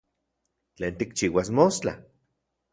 ¿Tlen tikchiuas mostla?